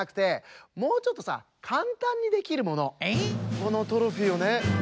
このトロフィーをね